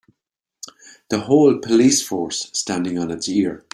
The whole police force standing on it's ear.